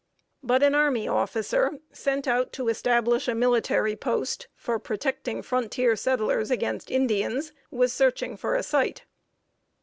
But an army officer, sent out to establish a military post for protecting frontier settlers against Indians, was searching for a site.